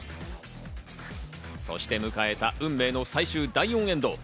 そして迎えた運命の最終第４エンド。